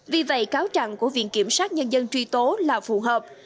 vì vậy cáo trạng của viện kiểm sát nhân dân truy tố là phù hợp